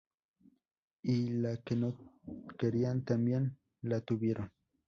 Y la que no querían también la tuvieron